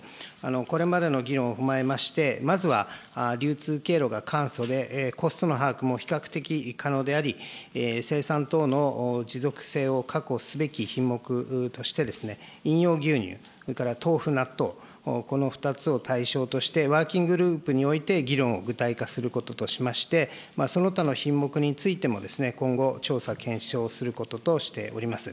これまでの議論を踏まえまして、まずは流通経路が簡素でコストの把握も比較的可能であり、生産等の持続性を確保すべき品目として、飲用牛乳、それから豆腐、納豆、この２つを対象として、ワーキンググループにおいて議論を具体化することとしまして、その他の品目についても、今後、調査、検証をすることとしております。